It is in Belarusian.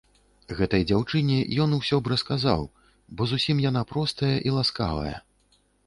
Гэтай дзяўчыне ён усё б расказаў, бо зусім яна простая і ласкавая.